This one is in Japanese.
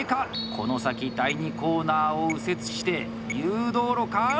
この先、第２コーナーを右折して誘導路か？